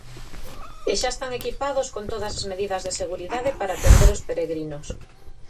E xa están equipados con todas as medidas de seguridade para atender os peregrinos.